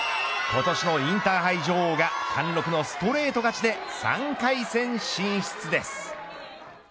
今年のインターハイ女王が貫禄のストレート勝ちで３回戦進出です。